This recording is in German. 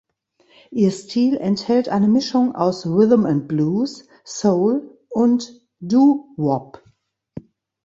Ihr Stil enthält eine Mischung aus Rhythm and Blues, Soul und Doo-Wop.